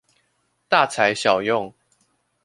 大材小用